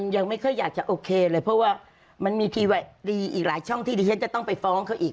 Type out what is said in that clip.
ยังไม่ค่อยอยากจะโอเคเลยเพราะว่ามันมีทีอีกหลายช่องที่ดิฉันจะต้องไปฟ้องเขาอีก